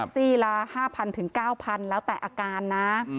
ซี่ละ๕๐๐ถึง๙๐๐แล้วแต่อาการนะ